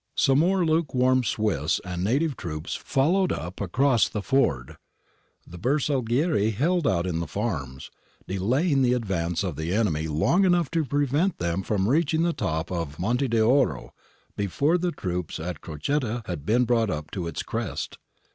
Some more lukewarm Swiss and native troops followed up across the ford. The Bersaglieri held out in the farms, delaying the advance of the enemy long enough to prevent them from reaching the top of the Monte d'Oro before the troops at Crocette had been brought up to its crest.